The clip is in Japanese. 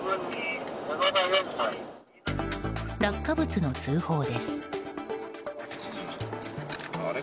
落下物の通報です。